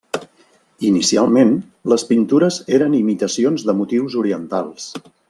Inicialment les pintures eren imitacions de motius orientals.